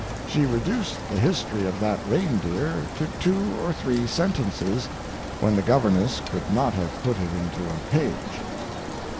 She reduced the history of that reindeer to two or three sentences when the governess could not have put it into a page.